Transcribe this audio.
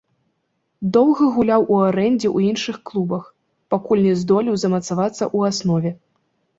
Доўга гуляў у арэндзе ў іншых клубах, пакуль не здолеў замацавацца ў аснове.